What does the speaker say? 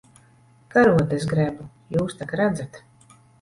Karotes grebu. Jūs tak redzat.